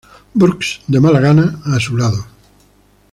Brooks de mala gana a su lado.